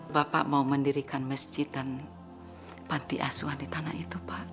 bapak mau mendirikan masjid dan panti asuhan di tanah itu pak